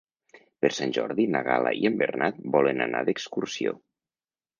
Per Sant Jordi na Gal·la i en Bernat volen anar d'excursió.